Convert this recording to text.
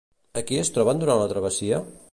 A qui es troben durant la travessia?